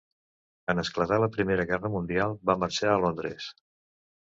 En esclatar la Primera Guerra Mundial va marxar a Londres.